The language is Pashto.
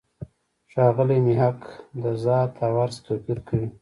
ښاغلی محق د «ذات» او «عرض» توپیر کوي.